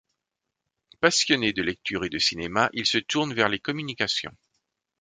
Passionné de lecture et de cinéma, il se tourne vers les communications.